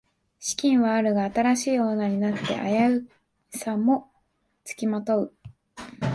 資金はあるが新しいオーナーになって危うさもつきまとう